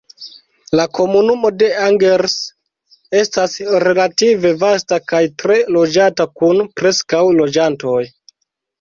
La komunumo de Angers estas relative vasta kaj tre loĝata kun preskaŭ loĝantoj.